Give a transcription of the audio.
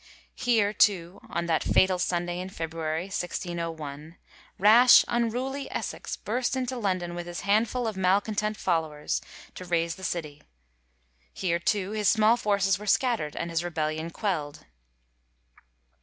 Here, too, on that fatal Sunday in February, 1601, rash, unruly Essex burst into London with his handful of malcontent followers, to raise the city. Here, too, his small forces were scatterd and his rebellion quelld.